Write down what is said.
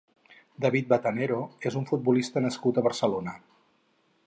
David Batanero és un futbolista nascut a Barcelona.